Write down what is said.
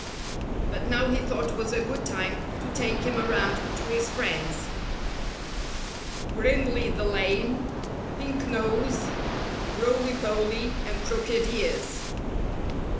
But now he thought was a good time to take him around to his friends — Brindley the Lame, Pink Nose, Roily Polly and Crooked Ears.